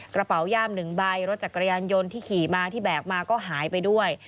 กระเป๋าย่าม๑ใบรถจักรยานยนต์ที่ขี่มาที่แบกมาก็หายไปด้วย